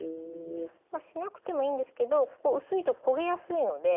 まあしなくてもいいんですけどここ薄いと焦げやすいので。